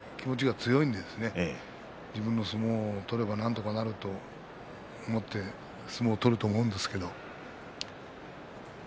精神的に貴景勝は気持ちが強いので自分の相撲を取ればなんとかなると思って相撲を取ると思います。